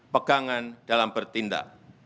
pegangan dalam bertindak